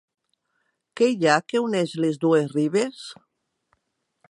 Què hi ha que uneix les dues ribes?